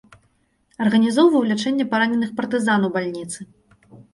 Арганізоўваў лячэнне параненых партызан у бальніцы.